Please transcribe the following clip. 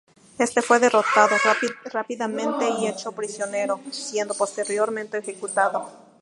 Este fue derrotado rápidamente y hecho prisionero, siendo posteriormente ejecutado.